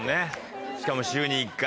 しかも週に１回。